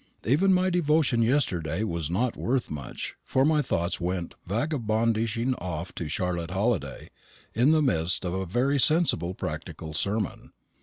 Even my devotion yesterday was not worth much, for my thoughts went vagabondising off to Charlotte Halliday in the midst of a very sensible practical sermon.